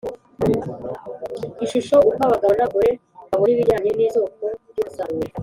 Ishusho Uko abagabo n abagore babona ibijyanye n isoko ry umusaruro